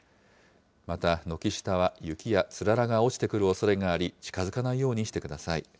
また、軒下は雪やつららが落ちてくるおそれがあり、近づかないようにしてください。